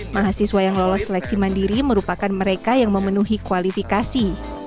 mahasiswa yang lolos seleksi mandiri merupakan mereka yang memenuhi kualifikasi